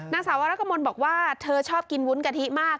นางสาววรกมลบอกว่าเธอชอบกินวุ้นกะทิมาก